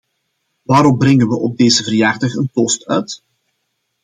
Waarop brengen we op deze verjaardag een toost uit?